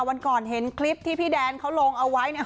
วันก่อนเห็นคลิปที่พี่แดนเขาลงเอาไว้เนี่ย